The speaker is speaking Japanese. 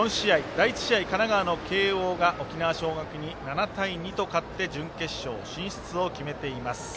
第１試合、神奈川の慶応が沖縄尚学に７対２と勝って準決勝進出を決めています。